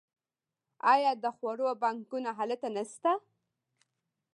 آیا د خوړو بانکونه هلته نشته؟